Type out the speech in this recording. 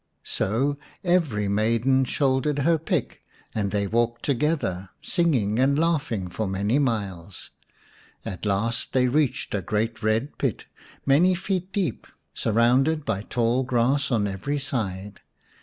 So every maiden shouldered her pick, and they walked together, singing and laughing, for many miles. At last they reached a great red pit, many feet deep, surrounded by tall grass on every side.